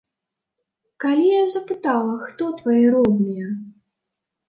Калі я запытала, хто твае родныя?